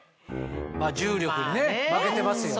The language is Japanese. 重力に負けてますよね。